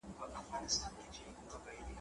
چي زمري د غوايي ولیدل ښکرونه `